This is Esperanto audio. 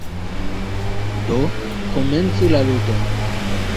Do, komencu la ludon!